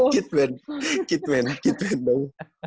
kidman kidman kidman dong